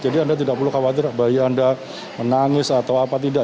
jadi anda tidak perlu khawatir bayi anda menangis atau apa tidak